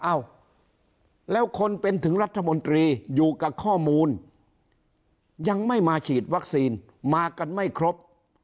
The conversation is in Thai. เอ้าแล้วคนเป็นถึงรัฐมนตรีอยู่กับข้อมูลยังไม่มาฉีดวัคซีนมากันไม่ครบ